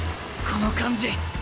この感じ。